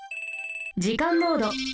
時間モード。